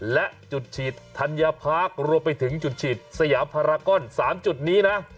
และจุดฉีดธัญภาครวมไปถึงจุดฉีดสยามพารากอน๓จุดนี้นะ